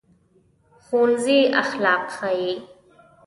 ښوونځی اخلاق ښيي